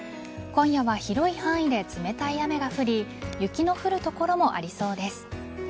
今夜は広い範囲で冷たい雨が降り雪の降る所もありそうです。